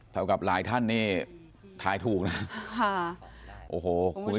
เรากับหลายท่านนี่ท้ายถูกนะ